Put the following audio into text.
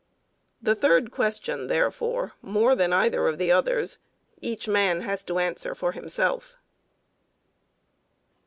The third question, therefore, more than either of the others, each man has to answer for himself.